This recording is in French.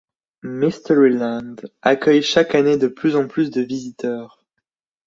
Mystery Land accueille chaque année de plus en plus de visiteurs.